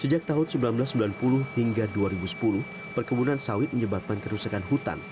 sejak tahun seribu sembilan ratus sembilan puluh hingga dua ribu sepuluh perkebunan sawit menyebabkan kerusakan hutan